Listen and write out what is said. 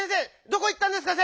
どこいったんですか？